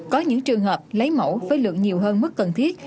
có những trường hợp lấy mẫu với lượng nhiều hơn mức cần thiết